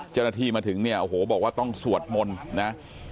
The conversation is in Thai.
เจ้าหน้าที่มาถึงเนี่ยโอ้โหบอกว่าต้องสวดมนต์นะ